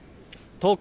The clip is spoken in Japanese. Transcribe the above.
東京